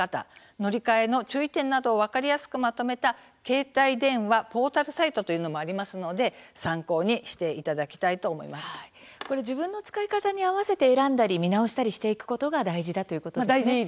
乗り換えの注意点などを分かりやすくまとめた携帯電話ポータルサイトというのもありますので参考に自分の使い方に合わせて選んだり見直したりしていくことが大事ですね。